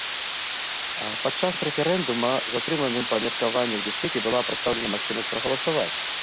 Падчас рэферэндума затрыманым па меркаваннях бяспекі была прадастаўлена магчымасць прагаласаваць.